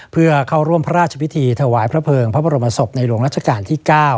เพื่อเข้าร่วมพระราชพิธีถวายพระเภิงพระบรมศพในหลวงรัชกาลที่๙